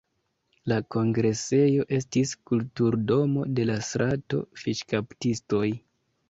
La kongresejo estis Kulturdomo de la Strato Fiŝkaptistoj.